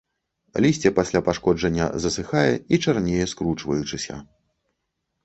Лісце пасля пашкоджання засыхае і чарнее скручваючыся.